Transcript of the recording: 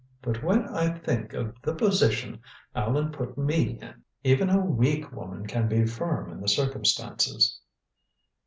But when I think of the position Allan put me in even a weak woman can be firm in the circumstances."